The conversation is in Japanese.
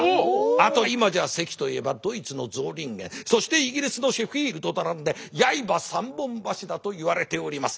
あと今じゃ関と言えばドイツのゾーリンゲンそしてイギリスのシェフィールドと並んで刃三本柱と言われております。